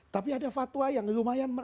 tapi ada fatwa yang lumayan